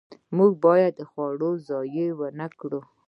موږ باید خواړه ضایع نه کړو.